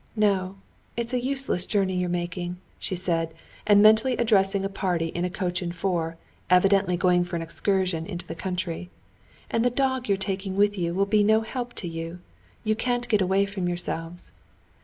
No, it's a useless journey you're making," she said, mentally addressing a party in a coach and four, evidently going for an excursion into the country. "And the dog you're taking with you will be no help to you. You can't get away from yourselves."